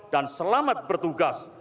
dan selamat bertugas